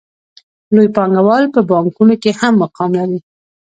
لوی پانګوال په بانکونو کې هم مقام لري